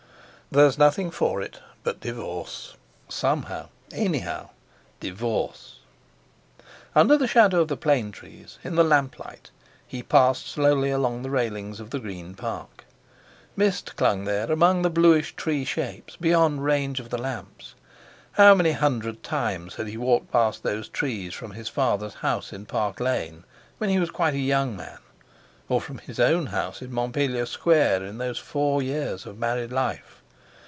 There's nothing for it but divorce—somehow—anyhow—divorce!" Under the shadow of the plane trees, in the lamplight, he passed slowly along the railings of the Green Park. Mist clung there among the bluish tree shapes, beyond range of the lamps. How many hundred times he had walked past those trees from his father's house in Park Lane, when he was quite a young man; or from his own house in Montpellier Square in those four years of married life!